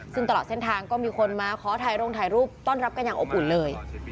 ซึ่งตลอดเส้นทางก็มีคนมาขอถ่ายโรงถ่ายรูปต้อนรับกันอย่างอบอุ่นเลย